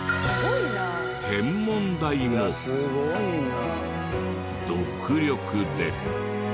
天文台も独力で。